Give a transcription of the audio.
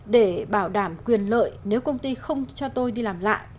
để bảo đảm quyền lợi nếu công ty không cho tôi đi làm lại